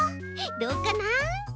どうかな？